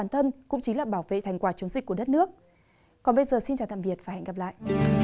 xin chào tạm biệt và hẹn gặp lại